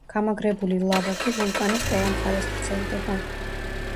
გამაგრებული ლავა კი ვულკანის ყველა მხარეს ვრცელდება.